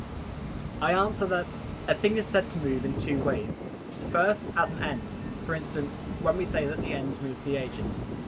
I answer that, A thing is said to move in two ways: First, as an end; for instance, when we say that the end moves the agent.